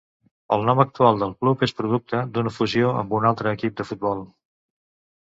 El nom actual del club és producte d'una fusió amb un altre equip de futbol.